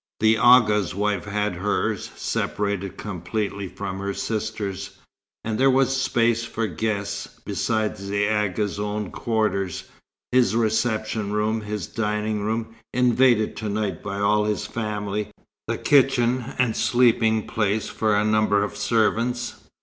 The Agha's wife had hers, separated completely from her sister's, and there was space for guests, besides the Agha's own quarters, his reception room, his dining room (invaded to night by all his family) the kitchen, and sleeping place for a number of servants.